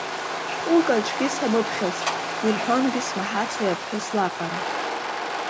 Шәҟәык аҿгьы самыԥхьац, ирҳәонгьы смаҳац уи аԥҳәыс лаҟара…